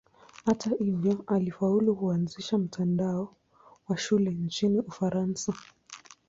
Hata hivyo alifaulu kuanzisha mtandao wa shule nchini Ufaransa.